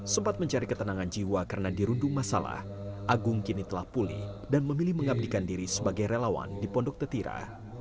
sempat mencari ketenangan jiwa karena dirundung masalah agung kini telah pulih dan memilih mengabdikan diri sebagai relawan di pondok tetira